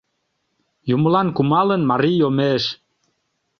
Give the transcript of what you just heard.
ЮМЫЛАН КУМАЛЫН, МАРИЙ ЙОМЕШ